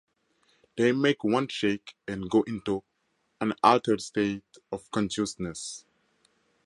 They make one shake and go into an altered state of consciousness.